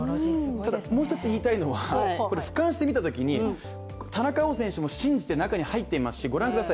ただもう一つ言いたいのはこれふかんして見たときに、田中碧選手も信じて中に入っていますしご覧ください